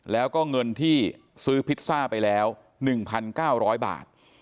แล้วก็เงินที่ซื้อพิซซ่าไปแล้วหนึ่งพันเก้าร้อยบาท